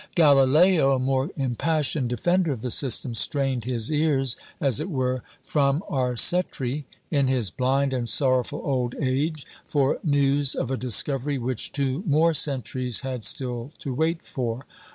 Galileo, a more impassioned defender of the system, strained his ears, as it were, from Arcetri, in his blind and sorrowful old age, for news of a discovery which two more centuries had still to wait for.